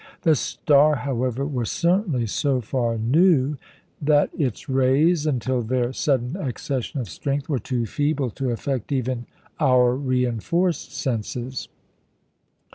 The star, however, was certainly so far "new" that its rays, until their sudden accession of strength, were too feeble to affect even our reinforced senses.